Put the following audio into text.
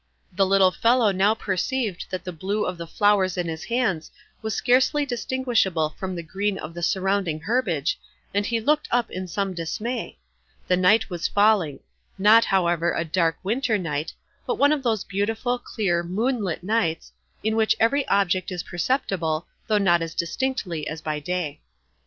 The little fellow now perceived that the blue of the flowers in his hands was scarcely distinguishable from the green of the surrounding herbage, and he looked up in some dismay. The night was falling; not, however, a dark, winter night, but one of those beautiful, clear, moonlight nights, in which every object is perceptible, though not as distinctly as by day.